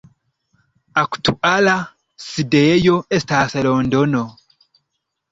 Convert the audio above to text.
Aktuala sidejo estas Londono.